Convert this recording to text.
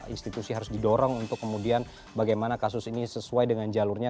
institusi harus didorong untuk kemudian bagaimana kasus ini sesuai dengan jalurnya